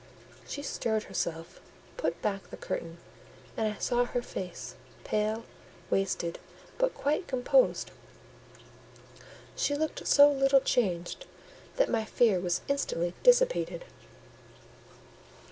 She stirred herself, put back the curtain, and I saw her face, pale, wasted, but quite composed: she looked so little changed that my fear was instantly dissipated.